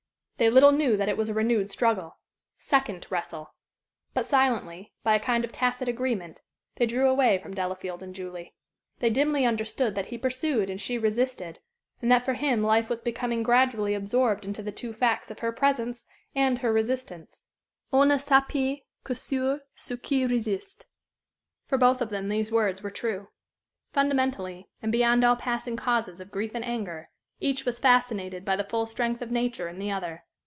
They little knew that it was a renewed struggle second wrestle. But silently, by a kind of tacit agreement, they drew away from Delafield and Julie. They dimly understood that he pursued and she resisted; and that for him life was becoming gradually absorbed into the two facts of her presence and her resistance. "On ne s'appuie que sur ce qui résiste." For both of them these words were true. Fundamentally, and beyond all passing causes of grief and anger, each was fascinated by the full strength of nature in the other.